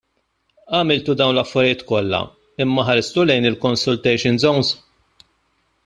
Għamiltu dawn l-affarijiet kollha, imma ħaristu lejn il-consultation zones?